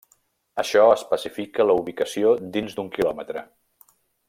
Això especifica la ubicació dins d'un quilòmetre.